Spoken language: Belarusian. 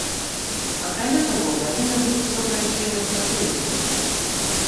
Акрамя таго, павінна быць высокая шчыльнасць насельніцтва.